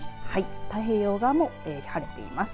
太平洋側も晴れています。